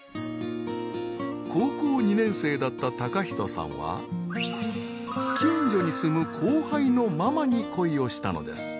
高校２年生だった貴仁さんは近所に住む後輩のママに恋をしたのです。